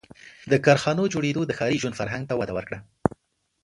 • د کارخانو جوړېدو د ښاري ژوند فرهنګ ته وده ورکړه.